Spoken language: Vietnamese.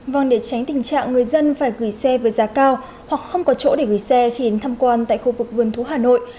vâng để tránh tình trạng người dân phải gửi xe với giá cao hoặc không có chỗ để gửi xe khi đến thăm quan tại khu vực vườn thú hà nội